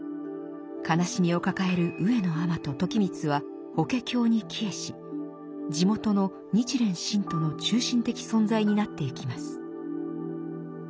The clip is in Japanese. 悲しみを抱える上野尼と時光は「法華経」に帰依し地元の日蓮信徒の中心的存在になっていきます。